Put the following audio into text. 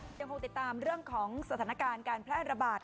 ยังคงติดตามเรื่องของสถานการณ์การแพร่ระบาด